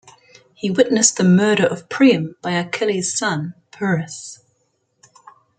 He witnessed the murder of Priam by Achilles' son Pyrrhus.